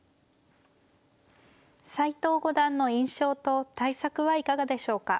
斎藤五段の印象と対策はいかがでしょうか。